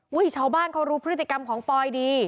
ชาวบ้านเขารู้พฤติกรรมของปอยดี